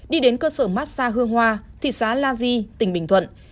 đi đến cơ sở massag hương hoa thị xã la di tỉnh bình thuận